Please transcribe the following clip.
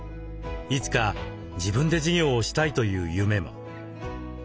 いつか自分で事業をしたいという夢も。